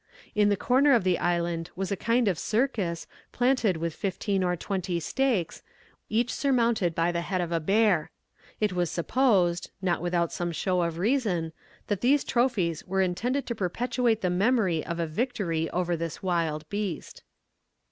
In the corner of the island was a kind of circus, planted with fifteen or twenty stakes, each surmounted by the head of a bear. It was supposed, not without some show of reason, that these trophies were intended to perpetuate the memory of a victory over this wild beast.